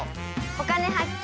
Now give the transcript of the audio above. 「お金発見」。